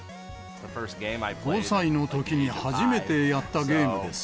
５歳のときに初めてやったゲームです。